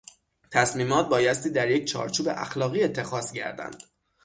تصمیمات بایستی در یک چارچوب اخلاقی اتخاذ گردند.